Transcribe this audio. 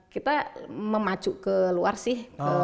kita memacu ke luar sih